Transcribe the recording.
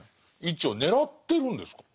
位置を狙ってるんですか？